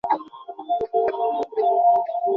এভাবে সে নিজ সম্প্রদায়ের ভাগ্যের সাথে একীভূত হয়ে যায়।